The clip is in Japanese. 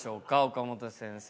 岡本先生